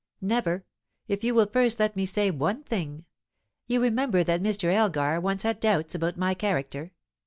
"Never, if you will first let me say one thing. You remember that Mr. Elgar once had doubts about my character.